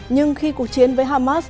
nhưng khi cuộc chiến với hamas